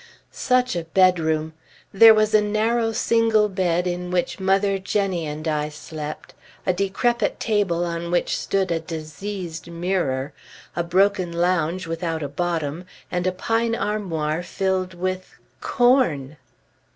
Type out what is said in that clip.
Such a bedroom! There was a narrow single bed in which mother, Jenny, and I slept, a decrepit table on which stood a diseased mirror, a broken lounge without a bottom, and a pine armoir filled with corn!